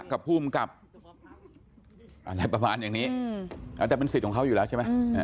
กับภูมิกับอะไรประมาณอย่างนี้แต่เป็นสิทธิ์ของเขาอยู่แล้วใช่ไหม